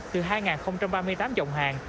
từ hai ba mươi tám dòng hàng